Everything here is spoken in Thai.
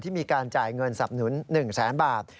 ที่มีการจ่ายเงินสนับสนุน๑๐๐๐๐๐บาท